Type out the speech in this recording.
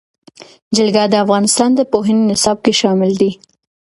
جلګه د افغانستان د پوهنې نصاب کې شامل دي.